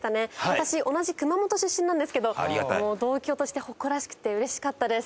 私同じ熊本出身なんですけどもう同郷として誇らしくて嬉しかったです。